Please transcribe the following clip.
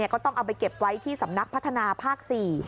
ก็ต้องเอาไปเก็บไว้ที่สำนักพัฒนาภาค๔